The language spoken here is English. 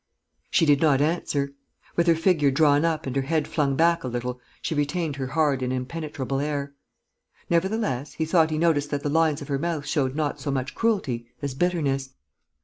She did not answer. With her figure drawn up and her head flung back a little, she retained her hard and impenetrable air. Nevertheless, he thought he noticed that the lines of her mouth showed not so much cruelty as bitterness.